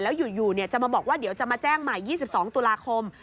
แล้วอยู่จะมาบอกว่าเดี๋ยวจะมาแจ้งใหม่๒๒ตุลาคม